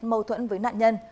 mâu thuẫn với nạn nhân